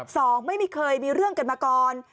สองไม่เคยมีเรื่องกันมาก่อน